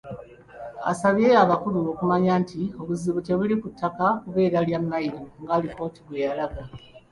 Asabye abakulu okumanya nti obuzibu tebuli ku ttaka kubeera lya mayiro ng'alipoota bwe yalaga.